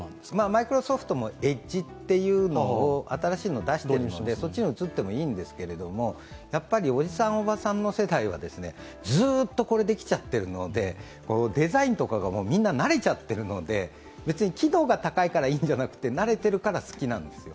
マイクロソフトもＥｄｇｅというのを新しいのを出しているので、そっちに移ってもいいんですけど、おじさん、おばさんの世代はずっとこれできちゃってるので、デザインが慣れてきてるので別に規模が高いからいいんじゃなくて、慣れてるからいいんです。